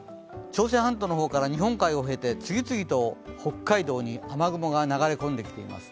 朝鮮半島の方から日本海を経て次々と北海道に雨雲が流れ込んできています。